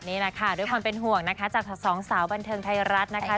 นี่แหละค่ะด้วยความเป็นห่วงนะคะจากสองสาวบันเทิงไทยรัฐนะคะ